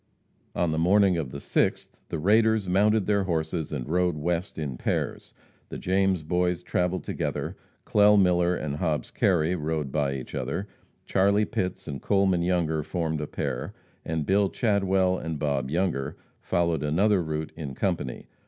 On the morning of the 6th, the raiders mounted their horses and rode west in pairs. The James Boys travelled together, Clell Miller and Hobbs Kerry rode by each other, Charlie Pitts and Coleman Younger formed a pair, and Bill Chadwell and Bob Younger followed another route in company.